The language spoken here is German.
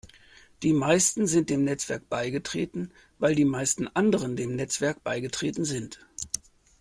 Die meisten sind dem Netzwerk beigetreten, weil die meisten anderen dem Netzwerk beigetreten sind.